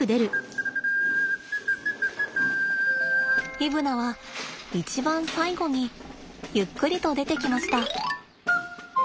イブナは一番最後にゆっくりと出てきました。